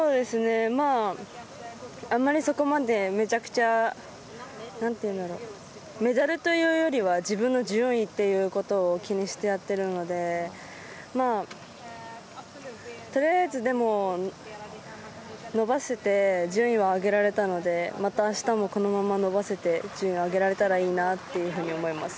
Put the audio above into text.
あまりそこまでむちゃくちゃメダルというよりは自分の順位ということを気にしてやっているのでとりあえず、伸ばせて順位は上げられたのでまた明日もこのまま伸ばせて順位を上げられたらいいなって思います。